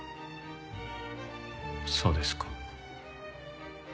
そうですか。